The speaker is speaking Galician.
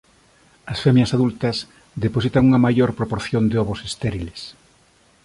As femias adultas depositan unha maior proporción de ovos estériles.